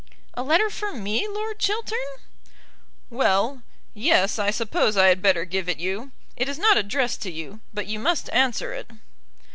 "A letter for me, Lord Chiltern!" "Well, yes; I suppose I had better give it you. It is not addressed to you, but you must answer it."